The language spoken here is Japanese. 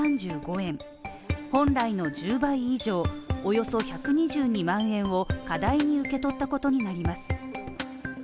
本来の１０倍以上、およそ１２２万円を過大に受け取ったことになります。